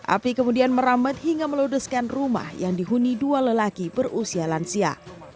api kemudian merambat hingga meludeskan rumah yang dihuni dua lelaki berusia lansia